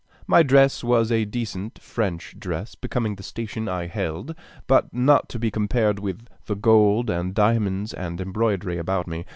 My dress was a decent French dress, becoming the station I held, but not to be compared with the gold, and diamonds, and embroidery, about me.